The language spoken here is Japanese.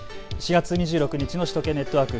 ４月２６日の首都圏ネットワーク